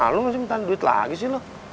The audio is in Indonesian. lu masih minta duit lagi sih